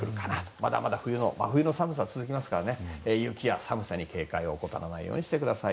まだまだ真冬の寒さが続きますから雪や寒さに警戒を怠らないようにしてください。